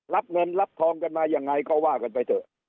รับเงินรับทองกันมายังไงก็ว่ากันไปเถอะ